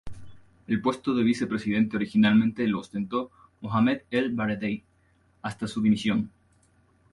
El puesto de vicepresidente originalmente lo ostentó Mohamed el-Baradei hasta su dimisión.